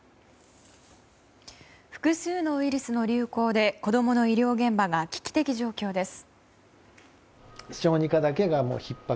複数のウイルスの流行で子供の医療現場が危機的状況です。